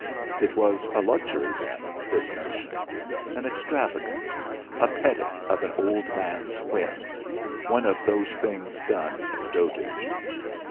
It was a luxury then, this notion. An extravagance, a petting of an old man's whim, one of those things done in dotage.